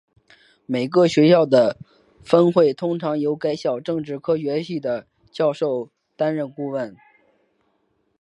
每个学校的分会通常由该校政治科学系的教授担任顾问。